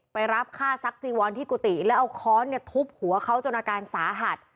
ไปรับฆ่าซักจิวรทิกุติและเอาค้อนทุบหัวเขาจนอาการสาหัส